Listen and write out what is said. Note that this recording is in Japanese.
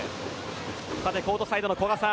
コートサイドの古賀さん